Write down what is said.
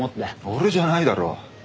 俺じゃないだろ。